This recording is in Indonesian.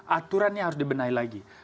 aturannya harus dibenahi lagi